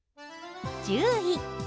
１０位。